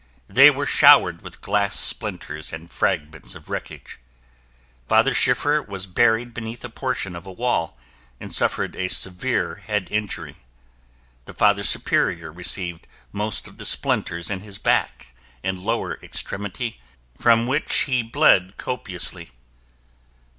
They were showered with glass splinters and fragments of wreckage. Father Schiffer was buried beneath a portion of a wall and suffered a severe head injury. The Father Superior received most of the splinters in his back and lower extremity from which he bled copiously.